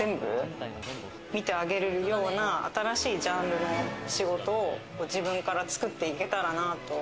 本当の意味で全部見てあげられるような新しいジャンルの仕事を、自分から作っていけたらなと。